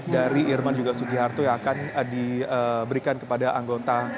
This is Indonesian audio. dari irman juga sugiharto yang akan diberikan kepada anggota